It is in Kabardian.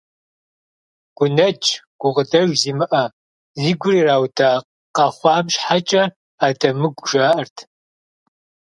Гунэдж, гукъыдэж зимыӏэ, зи гур иудауэ къэхъуам щхьэкӏэ адэмыгу жаӏэрт.